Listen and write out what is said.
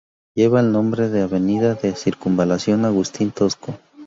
Lleva el nombre de "Avenida de Circunvalación Agustín Tosco".